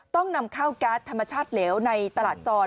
ต้องนำเข้าแก๊สธรรมชาติเหลวในตลาดจร